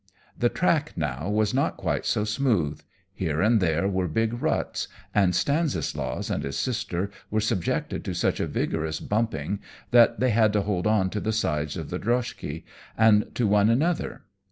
The track now was not quite so smooth; here and there were big ruts, and Stanislaus and his sister were subjected to such a vigorous bumping that they had to hold on to the sides of the droshky, and to one another.